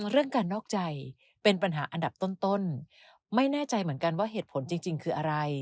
เรื่องการนอกใจเป็นปัญหาอันดับต้นไม่แน่ใจเหมือนกันว่าเหตุผลจริงคืออะไร